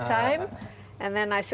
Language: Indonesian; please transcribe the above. kamu terbang hari ini